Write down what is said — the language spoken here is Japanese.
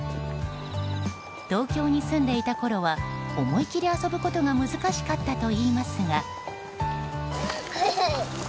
東京に住んでいたころは思い切り遊ぶことが難しかったといいますが。